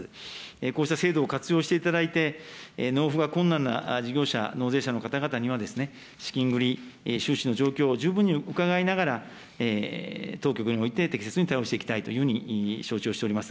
こうした制度を活用していただいて、納付が困難な事業者、納税者の方々には、資金繰り、収支の状況を十分に伺いながら、当局において適切に対応していきたいというふうに承知をしております。